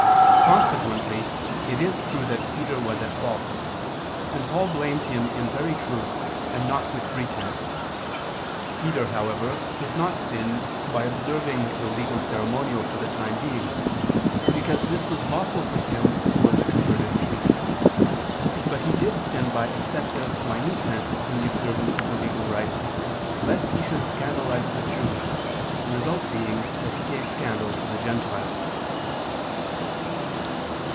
Consequently it is true that Peter was at fault: and Paul blamed him in very truth and not with pretense. Peter, however, did not sin, by observing the legal ceremonial for the time being; because this was lawful for him who was a converted Jew. But he did sin by excessive minuteness in the observance of the legal rites lest he should scandalize the Jews, the result being that he gave scandal to the Gentiles.